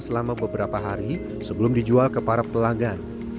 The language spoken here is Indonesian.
selama beberapa hari sebelum dijual ke para pelanggan